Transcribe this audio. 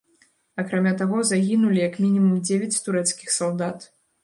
Акрамя таго, загінулі як мінімум дзевяць турэцкіх салдат.